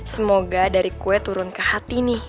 semoga dari kue turun ke hati nih